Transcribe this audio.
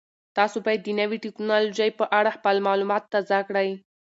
تاسو باید د نوې تکنالوژۍ په اړه خپل معلومات تازه کړئ.